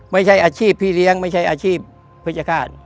ไม่ใช่อาชีพพี่เลี้ยงไม่ใช่อาชีพพฤชการ